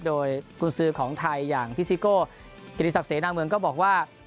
โดยกุญสือของไทยอย่างพี่ซิโก้กิติศักดิเสนาเมืองก็บอกว่า